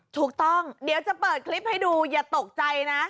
ถูกต้องเดี๋ยวจะเปิดคลิปให้ดูอย่าตกใจนะ